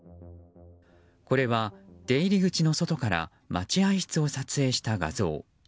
これは出入り口の外から待合室を撮影した画像。